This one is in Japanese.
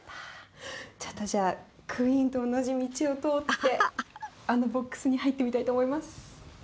ちょっとじゃあクイーンと同じ道を通ってあのボックスに入ってみたいと思います。